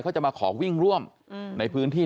เขาจะมาขอวิ่งร่วมในพื้นที่